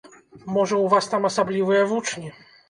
Можа, у вас там асаблівыя вучні?